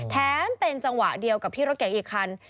เป็นจังหวะเดียวกับที่รถเก๋งอีกคัน